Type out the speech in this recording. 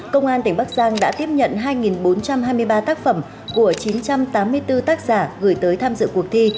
công an tỉnh bắc giang đã tiếp nhận hai bốn trăm hai mươi ba tác phẩm của chín trăm tám mươi bốn tác giả gửi tới tham dự cuộc thi